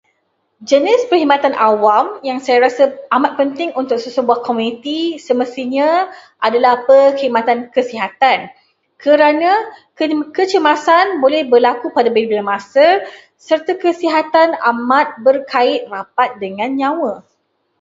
Jenis perkhidmatan awam yang saya rasa amat penting untuk sesebuah komuniti semestinya adalah perkhidmatan kesihatan, kerana boleh kece- kecemasan boleh berlaku pada bila-bila masa, serta kesihatan amat berkait rapat dengan nyawa.